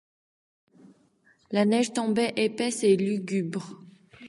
La neige tombait épaisse et lugubre.